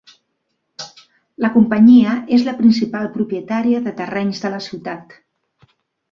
La companyia es la principal propietària de terrenys de la ciutat.